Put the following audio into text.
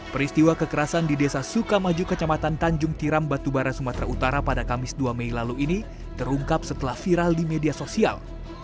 peristiwa kekerasan di desa sukamaju kecamatan tanjung tiram batubara sumatera utara pada kamis dua mei lalu ini terungkap setelah viral di media sosial